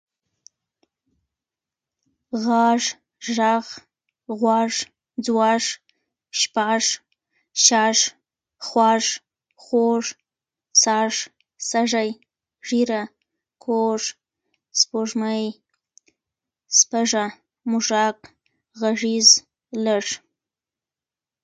اصلاحي کارونه دې ډير شي